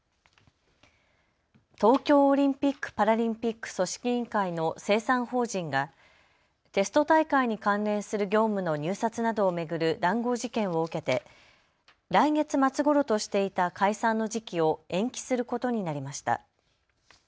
東京オリンピック・パラリンピック組織委員会の清算法人がテスト大会に関連する業務の入札などを巡る談合事件を受けて、来月末ごろとしていた解散の時期を延期することになりました。